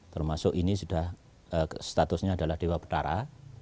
termasuk ini sudah statusnya adalah dewa petara